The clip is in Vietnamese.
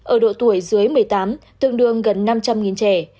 ở độ tuổi dưới một mươi tám tương đương gần năm trăm linh trẻ